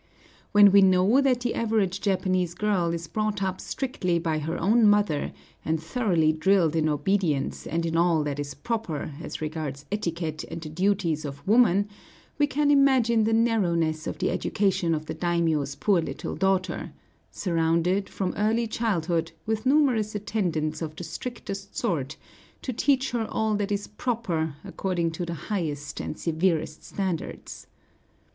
When we know that the average Japanese girl is brought up strictly by her own mother, and thoroughly drilled in obedience and in all that is proper as regards etiquette and the duties of woman, we can imagine the narrowness of the education of the daimiō's poor little daughter, surrounded, from early childhood, with numerous attendants of the strictest sort, to teach her all that is proper according to the highest and severest standards.